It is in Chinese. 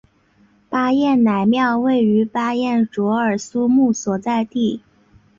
巴彦乃庙位于巴彦淖尔苏木所在地。